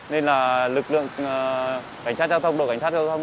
nên lực lượng cảnh sát giao thông được cảnh sát giao thông